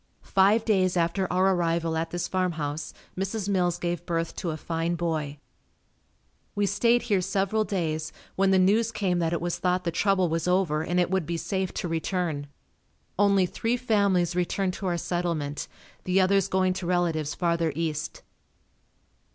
Five days after our arrival at this farm house, Mrs. Mills gave birth to a fine boy. We stayed here several days when the news came that it was thought the trouble was over and it would be safe to return. Only, three families returned to our settlement, the others going to relatives farther east.